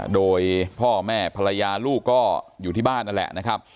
โดยพ่อแม่ภรรยาลูกก็อยู่ที่บ้านนั่นแหละนะครับ